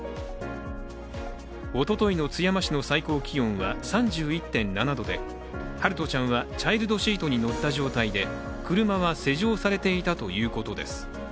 おとといの津山市の最高気温は３１．７度で陽翔ちゃんはチャイルドシートに乗った状態で車は施錠されていたということです。